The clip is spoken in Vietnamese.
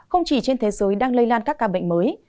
không chỉ trên thế giới đang lây lan các ca bệnh mới